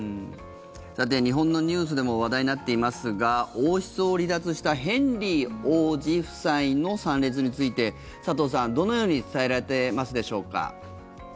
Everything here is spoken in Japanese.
日本のニュースでも話題になっていますが王室を離脱したヘンリー王子夫妻の参列について佐藤さん、どのように伝えられてますでしょうか。